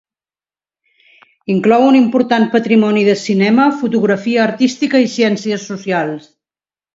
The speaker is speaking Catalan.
Inclou un important patrimoni de cinema, fotografia artística i ciències socials.